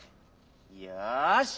よし！